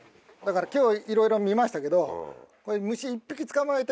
今日いろいろ見ましたけど。